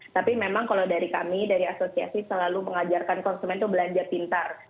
tapi memang kalau dari kami dari asosiasi selalu mengajarkan konsumen itu belanja pintar